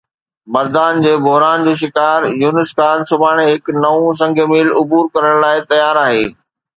مردان جي بحران جو شڪار يونس خان سڀاڻي هڪ نئون سنگ ميل عبور ڪرڻ لاءِ تيار آهي